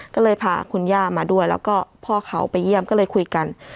ก็เลยพาคุณย่ามาด้วยแล้วก็พ่อเขาไปเยี่ยมก็เลยคุยกัน